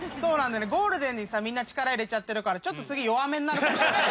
ゴールデンにさみんな力入れちゃってるからちょっと次弱めになるかもしれない。